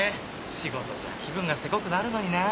仕事じゃ気分がせこくなるのになぁ。